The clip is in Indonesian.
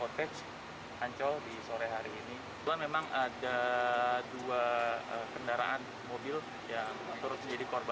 kotej ancol di sore hari ini dan memang ada dua kendaraan mobil yang terus menjadi korban